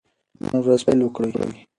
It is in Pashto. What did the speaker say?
نن ورځ پیل وکړئ.